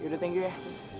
yaudah thank you ya